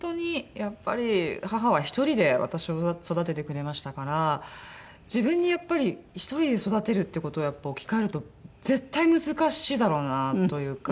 やっぱり母は１人で私を育ててくれましたから自分にやっぱり１人で育てるっていう事を置き換えると絶対難しいだろうなというか。